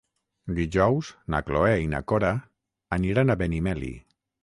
Dijous na Cloè i na Cora aniran a Benimeli.